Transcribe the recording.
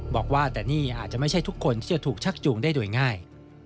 บอกว่าแต่นี่อาจจะไม่ใช่ทุกคนที่จะถูกชักจูงได้โดยง่าย